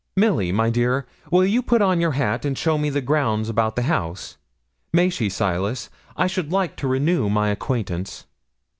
'Milly, my dear, will you put on your hat and show me the grounds about the house? May she, Silas? I should like to renew my acquaintance.'